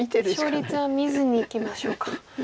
勝率は見ずにいきましょうか。